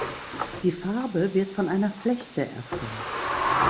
Die Farbe wird von einer Flechte erzeugt.